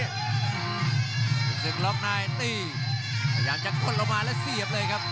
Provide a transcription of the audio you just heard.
ศึกล็อกในตีพยายามจะกดลงมาแล้วเสียบเลยครับ